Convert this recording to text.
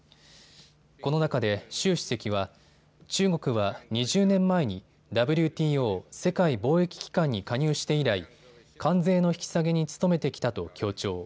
この中で習主席は中国は２０年前にＷＴＯ・世界貿易機関に加入して以来、関税の引き下げに努めてきたと強調。